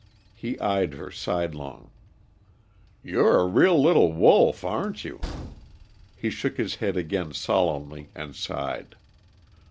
He eyed her sidelong. "You're a real little wolf, aren't you?" He shook his head again solemnly, and sighed.